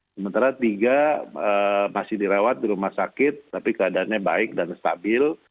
sementara tiga masih dirawat di rumah sakit tapi keadaannya baik dan stabil